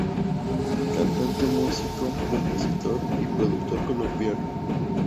Cantante, Músico, Compositor y Productor Colombiano.